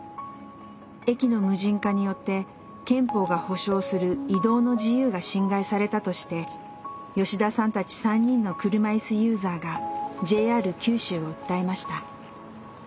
駅の無人化によって憲法が保障する「移動の自由」が侵害されたとして吉田さんたち３人の車いすユーザーがＪＲ九州を訴えました。